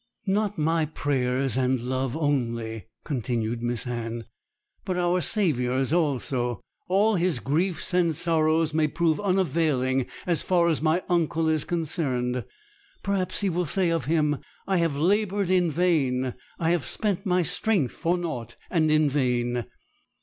'Not my prayers and love only,' continued Miss Anne, 'but our Saviour's also; all His griefs and sorrows may prove unavailing, as far as my uncle is concerned. Perhaps He will say of him, "I have laboured in vain, I have spent My strength for nought, and in vain."